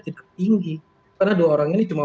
tidak tinggi karena dua orang ini cuma